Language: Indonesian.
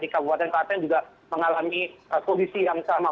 di kabupaten kabupaten juga mengalami kondisi yang sama